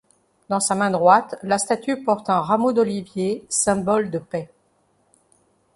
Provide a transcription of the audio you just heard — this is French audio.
Dans sa main droite, la statue porte un rameau d'olivier, symbole de paix.